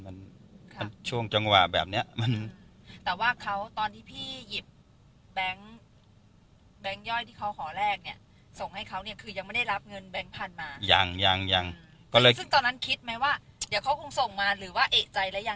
ซึ่งตอนนั้นคิดไหมว่าเดี๋ยวเขาคงส่งมาหรือว่า